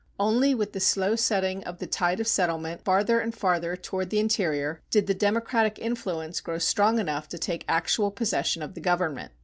Only with the slow setting of the tide of settlement farther and farther toward the interior did the democratic influence grow strong enough to take actual possession of the government.